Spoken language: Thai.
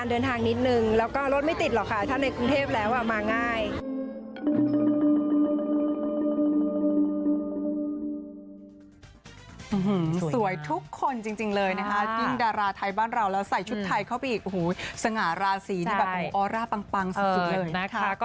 สงราศีแบบออร่าปังสุด